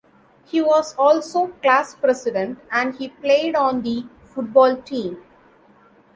He was also class president and he played on the football team.